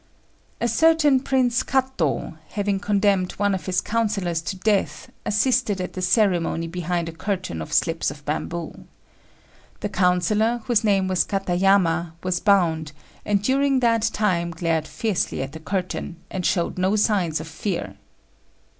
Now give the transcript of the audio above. A certain Prince Katô, having condemned one of his councillors to death, assisted at the ceremony behind a curtain of slips of bamboo. The councillor, whose name was Katayama, was bound, and during that time glared fiercely at the curtain, and showed no signs of fear.